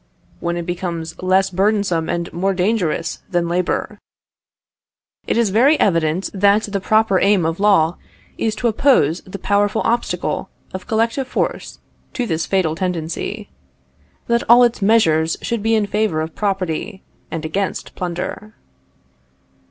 When it becomes less burdensome and more dangerous than labour. It is very evident that the proper aim of law is to oppose the powerful obstacle of collective force to this fatal tendency; that all its measures should be in favour of property, and against plunder.